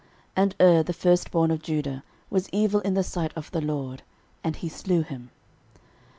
And Er, the firstborn of Judah, was evil in the sight of the LORD; and he slew him.